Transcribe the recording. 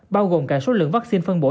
bao gồm cả số lượng vaccine phân bổ